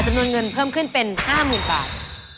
จำนวนเงินเพิ่มขึ้นเป็น๕๐๐๐บาท